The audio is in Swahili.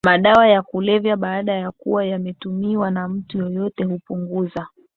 madawa ya kulevya baada ya kuwa yametumiwa na mtu yeyote hupunguza